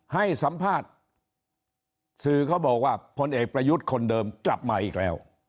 ให้สัมภาษณ์สื่อเขาบอกว่าพลเอกประยุทธ์คนเดิมกลับมาอีกแล้ว